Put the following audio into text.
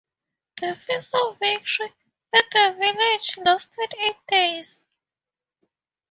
The feast of victory at the village lasted eight days.